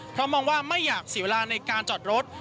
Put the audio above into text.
เพราะมองว่าไม่อยากเสียเวลาในการจอดรถ